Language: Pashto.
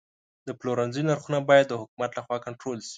د پلورنځي نرخونه باید د حکومت لخوا کنټرول شي.